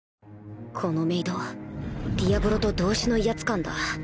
このメイドディアブロと同種の威圧感だ